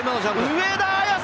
上田綺世！